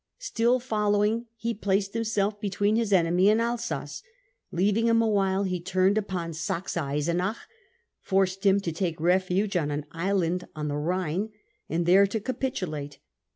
Still following, he placed himself between his enemy and Alsace. Leaving him awhile, he turned upon Saxe Eisenach, forced him to take refuge on an island on the Rhine, and there to capitulate.